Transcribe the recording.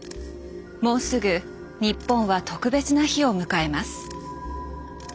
もうすぐ日本は特別な日を迎えます。